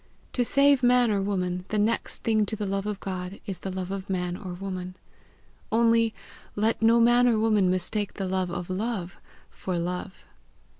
To save man or woman, the next thing to the love of God is the love of man or woman; only let no man or woman mistake the love of love for love!